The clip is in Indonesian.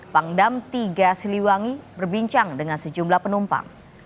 pangdam tiga siliwangi berbincang dengan sejumlah penumpang